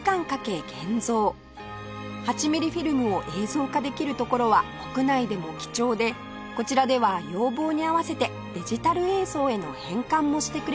８ミリフィルムを映像化できるところは国内でも貴重でこちらでは要望に合わせてデジタル映像への変換もしてくれます